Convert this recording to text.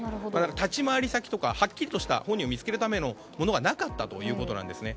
立ち回り先とかはっきりとした本人を見つけるためのものはなかったということなんですね。